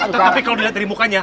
tetapi kalau dilihat dari mukanya